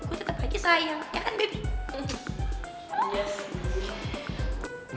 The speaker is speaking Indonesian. gue tetep aja sayang